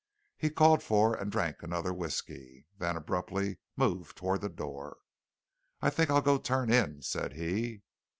He called for and drank another whiskey, then abruptly moved toward the door. "I think I'll go turn in," said he.